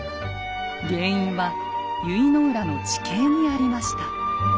原因は由比浦の地形にありました。